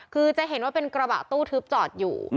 คือจะเห็นว่าเป็นกระบะตู้ทึบจอดอยู่